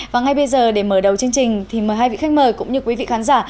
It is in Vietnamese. và ngay bây giờ để mở đầu chương trình thì mời hai vị khách mời cũng như quý vị khán giả